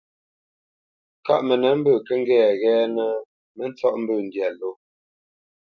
Kâʼ mənə mbə̂ kə́ ŋgɛ́nə ghɛ́ɛ́nə́, mə ntsɔ́ʼ mbə̂ ndyâ ló.